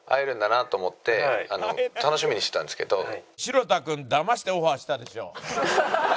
城田君だましてオファーしたでしょ。